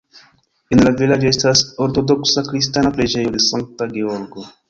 En la vilaĝo estas ortodoksa kristana preĝejo de Sankta Georgo.